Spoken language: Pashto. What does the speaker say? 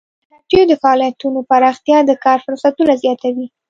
د هټیو د فعالیتونو پراختیا د کار فرصتونه زیاتوي.